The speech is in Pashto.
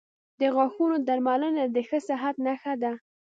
• د غاښونو درملنه د ښه صحت نښه ده.